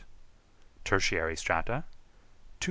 Tertiary strata 2,240.